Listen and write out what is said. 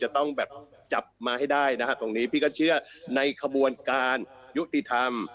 จะต้องแบบจับมาให้ได้นะฮะตรงนี้พี่ก็เชื่อในขบวนการยุติธรรม